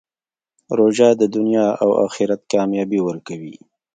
روژه د دنیا او آخرت کامیابي ورکوي.